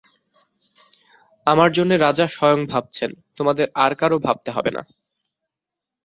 আমার জন্যে রাজা স্বয়ং ভাবছেন, তোমাদের আর কারো ভাবতে হবে না।